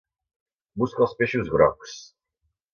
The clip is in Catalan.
Busca els peixos grocs.